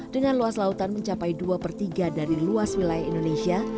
dengan luas lautan mencapai dua per tiga dari luas wilayah indonesia